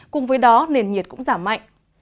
cùng với đó nền nhiệt cũng giảm mạnh